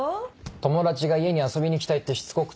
友達が家に遊びに来たいってしつこくて。